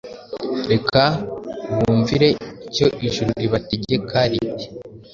Reka bumvire icyo ijuru ribategeka riti,